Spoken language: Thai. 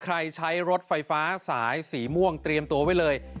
ใช้รถไฟฟ้าสายสีม่วงเตรียมตัวไว้เลย